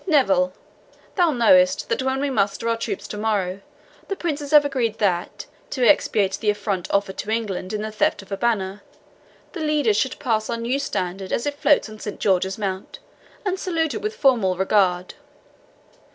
Neville, thou knowest that when we muster our troops to morrow the princes have agreed that, to expiate the affront offered to England in the theft of her banner, the leaders should pass our new standard as it floats on Saint George's Mount, and salute it with formal regard.